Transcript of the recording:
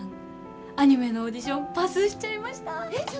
アニメのオーディションパスしちゃいました！